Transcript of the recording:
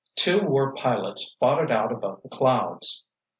Two war pilots fought it out above the clouds!